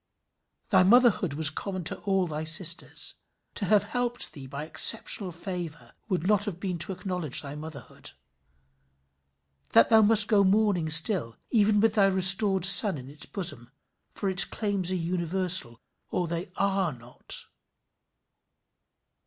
Thy motherhood was common to all thy sisters. To have helped thee by exceptional favour would not have been to acknowledge thy motherhood. That must go mourning still, even with thy restored son in its bosom, for its claims are universal or they are not.